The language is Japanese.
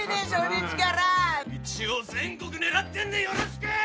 一応全国狙ってんでよろしくー！